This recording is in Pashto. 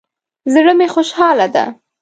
زړه می خوشحاله ده